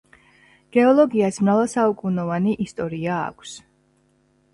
გეოლოგიას მრავალსაუკუნოვანი ისტორია აქვს.